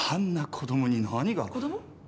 子供？